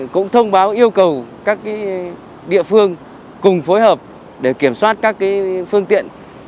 cũng thông báo yêu cầu các địa phương cùng phối hợp để kiểm soát các phương tiện